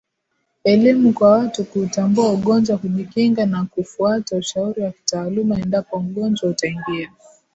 elimu kwa watu kuutambua ugonjwa kujikinga na kufuata ushauri wa kitaalamu endapo ugonjwa utaingia